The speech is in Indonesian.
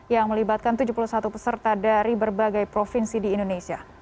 yang melibatkan tujuh puluh satu peserta dari berbagai provinsi di indonesia